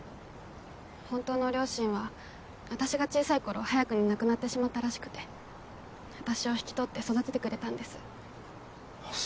本当の両親は私が小さい頃早くに亡くなってしまったらしくて私を引き取って育ててくれたんですあっ